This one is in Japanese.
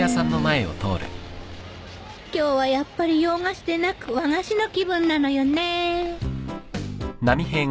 今日はやっぱり洋菓子でなく和菓子の気分なのよね